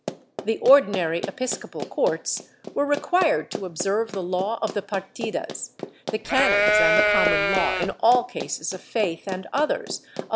The ordinary episcopal courts were required to observe the law of the Partidas, the canons and the common law in all cases of faith and others, of which the ' See Appendix.